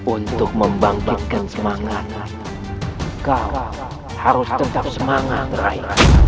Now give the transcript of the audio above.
untuk membangkitkan semangat kau harus tetap semangat rai